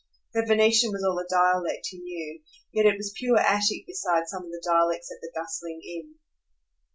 The Venetian was all a dialect, he knew; yet it was pure Attic beside some of the dialects at the bustling inn.